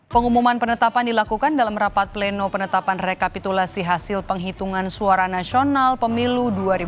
pengumuman penetapan dilakukan dalam rapat pleno penetapan rekapitulasi hasil penghitungan suara nasional pemilu dua ribu sembilan belas